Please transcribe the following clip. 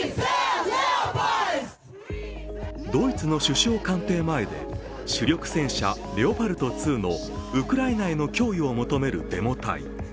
ドイツの首相官邸前で主力戦車・レオパルト２のウクライナへの供与を求めるデモ隊。